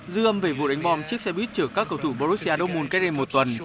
dư âm về vụ đánh bom chiếc xe buýt chữa các cầu thủ borussia dortmund cách đây một tuần